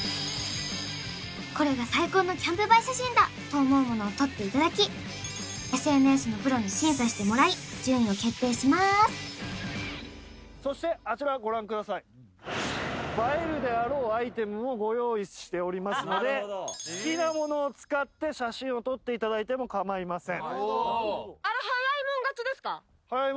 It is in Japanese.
これが最高のキャンプ映え写真だ！と思うものを撮っていただきＳＮＳのプロに審査してもらい順位を決定しますしておりますので好きなものを使って写真を撮っていただいても構いません